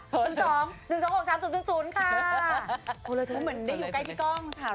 โทรเลยเถอะเหมือนได้อยู่ใกล้พี่ก้องสหราช